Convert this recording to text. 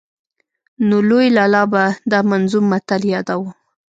نو لوی لالا به دا منظوم متل ياداوه.